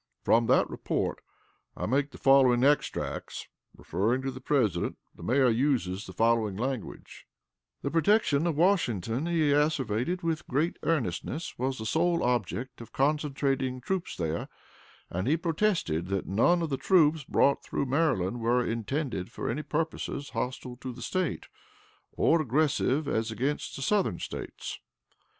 From that report I make the following extracts. Referring to the President, the Mayor uses the following language: "The protection of Washington, he asseverated with great earnestness, was the sole object of concentrating troops there, and he protested that none of the troops brought through Maryland were intended for any purposes hostile to the State, or aggressive as against the Southern States....